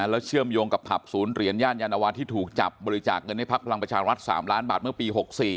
แล้วเชื่อมโยงกับผับศูนย์เหรียญย่านยานวาที่ถูกจับบริจาคเงินให้พักพลังประชารัฐ๓ล้านบาทเมื่อปี๖๔